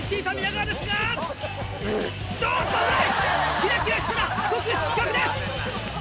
キラキラしたら即失格です！